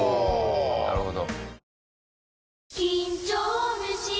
なるほど。